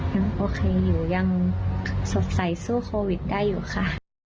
ยังโอเคอยู่ยังสดใสสู้โควิดได้อยู่ค่ะ